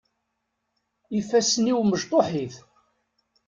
Ifassen-iw mecṭuḥit.